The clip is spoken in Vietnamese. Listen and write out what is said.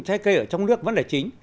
trái cây ở trong nước vẫn là chính